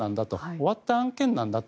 終わった案件なんだと。